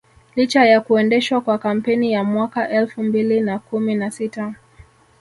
Licha ya kuendeshwa kwa kampeni ya mwaka elfu mbili na kumi na sita